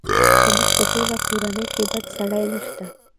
زموږ په ټوله کورنۍ کې بد سړی نه شته!